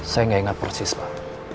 saya nggak ingat persis pak